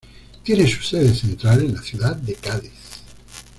Tiene su sede central en la ciudad de Cádiz.